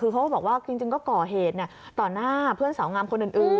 คือเขาก็บอกว่าจริงก็ก่อเหตุต่อหน้าเพื่อนสาวงามคนอื่น